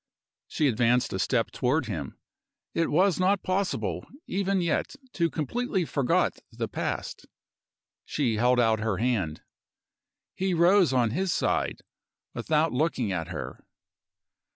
She advanced a step toward him; it was not possible, even yet, to completely forgot the past. She held out her hand. He rose on his side without looking at her.